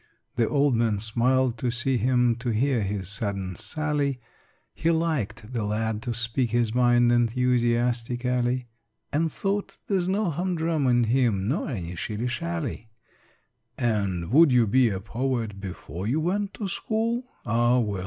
The old man smiled to see him, To hear his sudden sally; He liked the lad to speak his mind Enthusiastically; And thought "There's no hum drum in him, Nor any shilly shally." "And would you be a poet Before you've been to school? Ah, well!